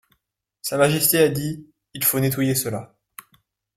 Sa majesté a dit: « Il faut nettoyer cela.